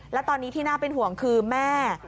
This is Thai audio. และตอนนี้ที่น่าเป็นห่วงคือแม่